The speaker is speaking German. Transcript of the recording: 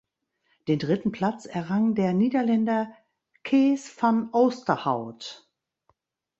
Den dritten Platz errang der Niederländer Cees van Oosterhout.